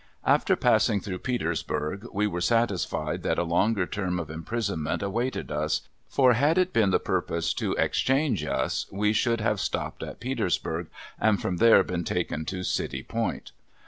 After passing through Petersburg we were satisfied that a longer term of imprisonment awaited us, for, had it been the purpose to exchange us, we should have stopped at Petersburg and from there been taken to City Point.